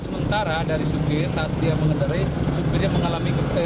menurut pengakuan sementara dari sopir saat dia mengendarai